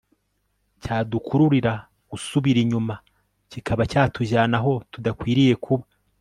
cyadukururira gusubira inyuma kikaba cyatujyana aho tudakwiriye kuba